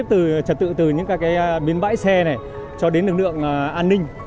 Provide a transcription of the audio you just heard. sắp xếp trật tự từ những cái biến bãi xe này cho đến lực lượng an ninh